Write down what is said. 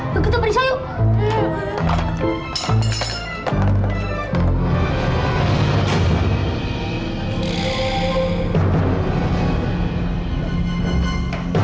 begitu berisau yuk